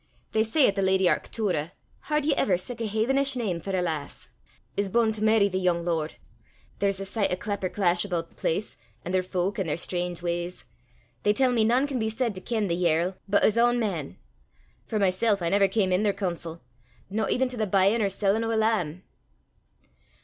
They say 'at the lady Arctoora h'ard ye ever sic a hathenish name for a lass! is b'un' to merry the yoong lord. There 's a sicht o' clapper clash aboot the place, an' the fowk, an' their strange w'ys. They tell me nane can be said to ken the yerl but his ain man. For mysel' I never cam i' their coonsel no even to the buyin' or sellin' o' a lamb."